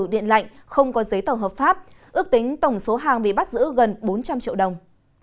điện lạnh không có giấy tờ hợp pháp ước tính tổng số hàng bị bắt giữ gần bốn trăm linh triệu đồng